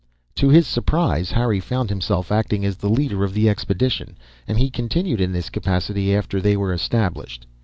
To his surprise, Harry found himself acting as the leader of the expedition, and he continued in this capacity after they were established.